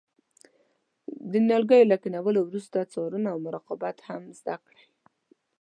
د نیالګیو له کینولو وروسته څارنه او مراقبت هم زده کړئ.